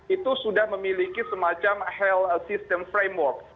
itu sudah memiliki semacam health system framework